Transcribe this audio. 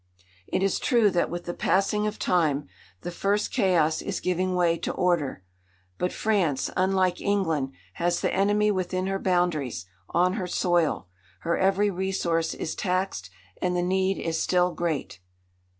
It is true that with the passing of time, the first chaos is giving way to order. But France, unlike England, has the enemy within her boundaries, on her soil. Her every resource is taxed. And the need is still great.